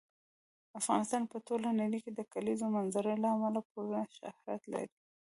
افغانستان په ټوله نړۍ کې د کلیزو منظره له امله پوره شهرت لري.